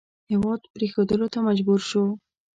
هېواد پرېښودلو ته مجبور شو.